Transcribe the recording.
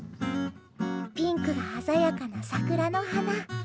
ピンクが鮮やかな桜の花。